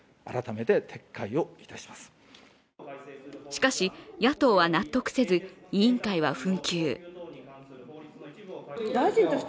しかし野党は納得せず、委員会は紛糾。